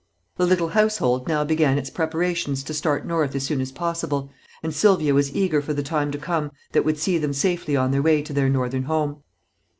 The little household now began its preparations to start north as soon as possible, and Sylvia was eager for the time to come that would see them safely on their way to their northern home.